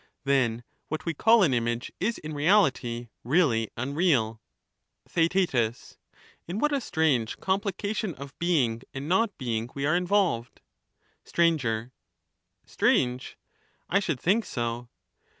Then what we call an image is in reality really steamgm, unreal. th.aet.tus. Theaet, In what a strange complication of being and not ^*J^j^^^ being we are involved I And thus Str. Strange I I should think so.